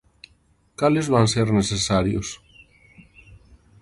¿Cales van ser necesarios?